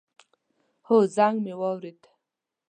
هو، زنګ می واورېد